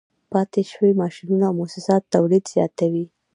پاتې شوي ماشینونه او موسسات تولید زیاتوي